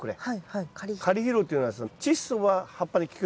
カリ肥料っていうのはチッ素は葉っぱに効く。